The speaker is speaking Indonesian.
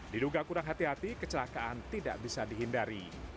diduga kurang hati hati kecelakaan tidak bisa dihindari